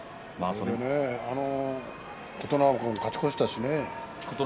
琴ノ若も勝ち越したしね。